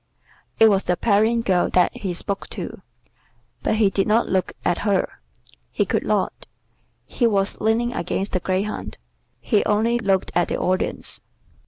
It was the Parian girl that he spoke to, but he did not look at her; he could not, he was leaning against the greyhound; he only looked at the Audience.